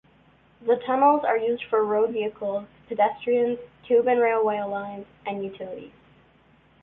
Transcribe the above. The tunnels are used for road vehicles, pedestrians, Tube and railway lines and utilities.